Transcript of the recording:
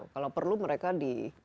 kalau perlu mereka di